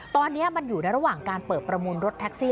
ตอนนี้มันอยู่ในระหว่างการเปิดประมูลรถแท็กซี่